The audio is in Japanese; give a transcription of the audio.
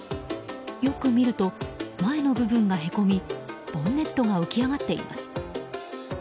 よく見ると、前の部分がへこみボンネットが浮き上がっています。